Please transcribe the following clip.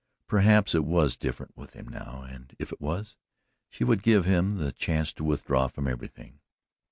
Perhaps it was different with him now and if it was, she would give him the chance to withdraw from everything.